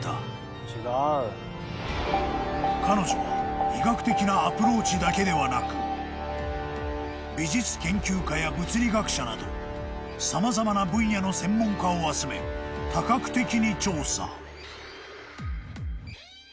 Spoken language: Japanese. ［彼女は医学的なアプローチだけではなく美術研究家や物理学者など様々な分野の専門家を集め多角的に調査］